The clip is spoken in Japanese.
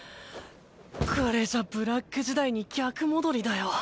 これじゃブラック時代に逆戻りだよ。